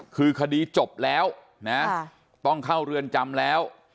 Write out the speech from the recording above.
คือคดีจบแล้วนะต้องเข้าเรือนจำแล้ว